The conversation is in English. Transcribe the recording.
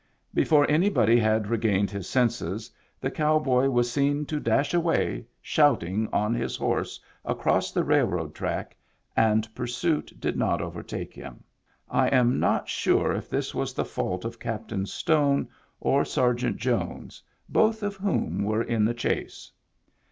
Before any body had regained his senses, the cow boy was seen to dash away shouting on his horse across the railroad track, and pursuit did not overtake him. I am not sure if this was the fault of Cap tain Stone or Sergeant Jones, both of whom were in the chase.